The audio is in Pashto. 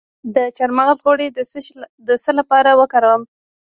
د چارمغز غوړي د څه لپاره وکاروم؟